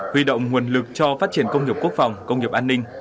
huy động nguồn lực cho phát triển công nghiệp quốc phòng công nghiệp an ninh